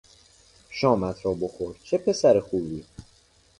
شامت را بخور - چه پسر خوبی!